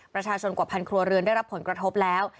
ประชาชนกว่าพันครัวเรือนได้รับผลกระทบแล้ว